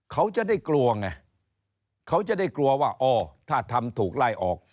เขาจะได้กลัวไงเขาจะได้กลัวว่าอ๋อถ้าทำถูกไล่ออก